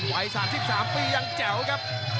วัย๓๓ปียังแจ๋วครับ